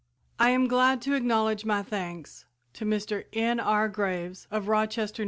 I am glad to acknowledge my thanks to Mr. N. R. Graves of Rochester, N.